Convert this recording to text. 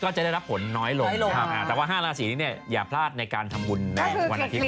จะได้รับผลน้อยลงแต่ว่า๕ราศีนี้เนี่ยอย่าพลาดในการทำบุญในวันอาทิตย